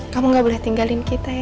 kamu gak boleh tinggalin kita ya